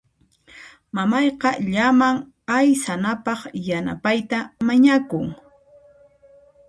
Mamayqa llaman aysanapaq yanapayta mañakun.